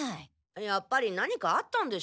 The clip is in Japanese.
やっぱり何かあったんでしょ？